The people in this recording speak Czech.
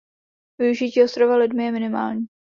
Využití ostrova lidmi je minimální.